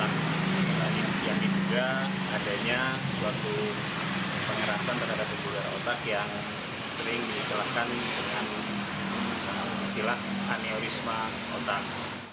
yang diduga adanya suatu pengerasan terhadap pembuluh darah otak yang sering dikelahkan dengan istilah aneurisma otak